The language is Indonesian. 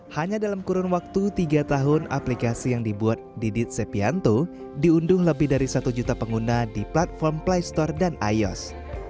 hanya dalam kurun waktu tiga tahun aplikasi yang dibuat didit sepianto diunduh lebih dari satu juta pengguna di platform play store dan ios